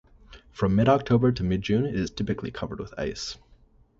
From mid-October to mid-June, it is typically covered with ice.